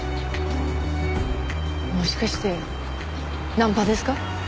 もしかしてナンパですか？